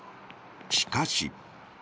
しかし。